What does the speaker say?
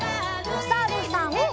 おさるさん。